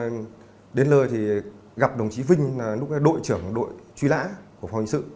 ngay lời thì gặp đồng chí vinh lúc đó là đội trưởng đội truy lã của phòng hình sự